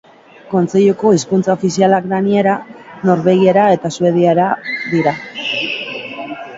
Kontseiluko hizkuntza ofizialak daniera, norvegiera eta suediera dira.